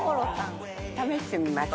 試してみます。